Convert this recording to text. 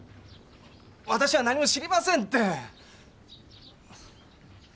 私は何も知りませんって。